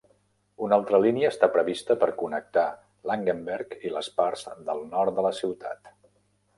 Una altra línia està prevista per connectar Langenberg i les parts del nord de la ciutat.